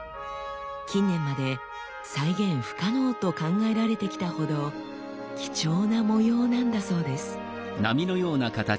近年まで再現不可能と考えられてきたほど貴重な模様なんだそうです。